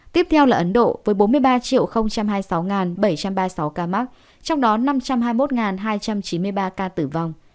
tiếp theo là ấn độ với bốn mươi ba hai mươi sáu bảy trăm ba mươi sáu ca mắc trong đó năm trăm hai mươi một hai trăm chín mươi ba ca tử vong